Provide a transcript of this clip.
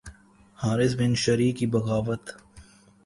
حارث بن شریح کی بغاوت